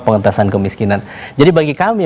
pengentasan kemiskinan jadi bagi kami